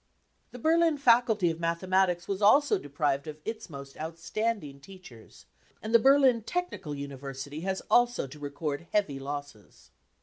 The Berlin Faculty of Mathematics was also deprived of its most outstanding teachers, and the Berlin Technical University has also to record heavy losses.